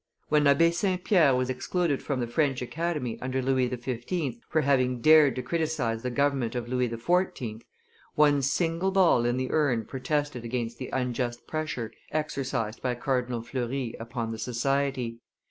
When Abbe St. Pierre was excluded from the French Academy under Louis XV. for having dared to criticise the government of Louis XIV., one single ball in the urn protested against the unjust pressure exercised by Cardinal Fleury upon the society.